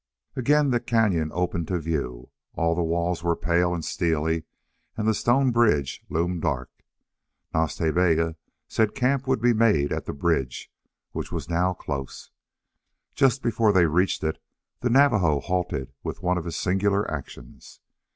Again the cañon opened to view. All the walls were pale and steely and the stone bridge loomed dark. Nas Ta Bega said camp would be made at the bridge, which was now close. Just before they reached it the Navajo halted with one of his singular actions.